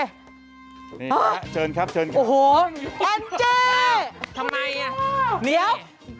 นี่ฮะเชิญครับเชิญครับโอ้โหแอนเจ้ทำไงอ่ะเดี๋ยว